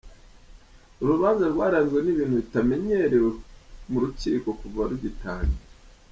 Uru rubanza rwaranzwe n’ibintu bitamenyerewe mu rukiko kuva rugitangira .